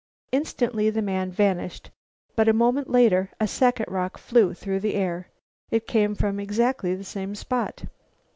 Instantly the man vanished, but a moment later a second rock flew through the air. It came from exactly the same spot.